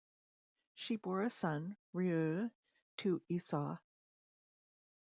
She bore a son, Reuel, to Esau.